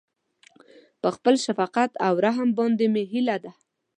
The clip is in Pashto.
په خپل شفقت او رحم باندې مې هيله ده.